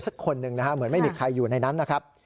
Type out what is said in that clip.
สักคนหนึ่งนะฮะเหมือนไม่มีใครอยู่ในนั้นนะครับ